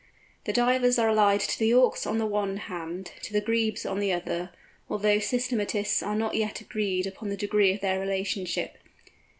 The Divers are allied to the Auks on the one hand, to the Grebes on the other, although systematists are not yet agreed upon the degree of their relationship.